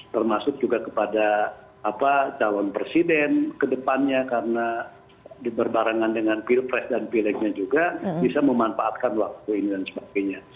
termasuk juga kepada cawan presiden kedepannya karena diberbarengan dengan pilpres dan pilihnya juga bisa memanfaatkan waktu ini dan sebagainya